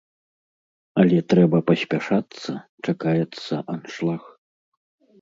Але трэба паспяшацца, чакаецца аншлаг.